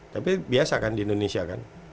tapi biasa kan di indonesia kan